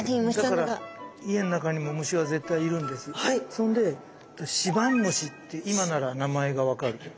そんでシバンムシって今なら名前が分かるけど。